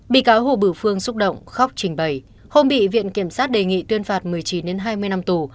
bị cáo hồ bửu phương xúc động khóc trình bày hôm bị viện kiểm sát đề nghị tuyên phạt một mươi chín hai mươi năm tù